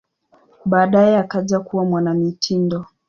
Baadaye akaja kuwa mwanamitindo.